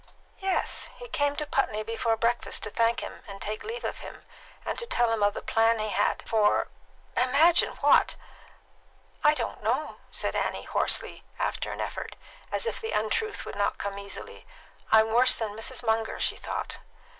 "Yes. He came to Putney before breakfast to thank him and take leave of him, and to tell him of the plan he had for Imagine what!" "I don't know," said Annie, hoarsely, after an effort, as if the untruth would not come easily. "I am worse than Mrs. Munger," she thought.